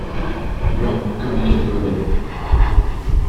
Blanc comme du café au lait !